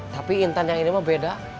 tapi intan yang ini mah beda